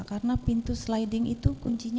karena pintu sliding itu kuncinya